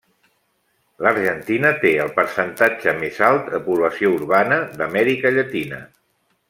L'Argentina té el percentatge més alt de població urbana d'Amèrica Llatina.